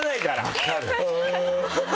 分かる！